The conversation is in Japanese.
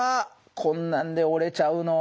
こんなんで折れちゃうの。